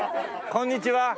こんにちは。